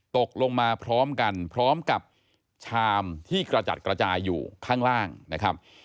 ตกลงมาพร้อมกันพร้อมกับชามที่กระจัดกระจายอยู่ข้างล่างนะครับ